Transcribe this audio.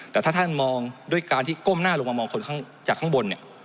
แต่ถ้าท่านมองด้วยการที่ก้มหน้าลงมามองคนจากข้างบนเนี่ย